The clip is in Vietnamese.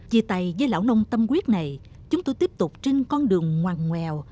chỉ tài với lão nông tâm quyết này chúng tôi tiếp tục trên con đường ngoàng ngoèo